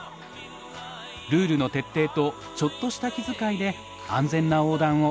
ルールの徹底とちょっとした気遣いで安全な横断を。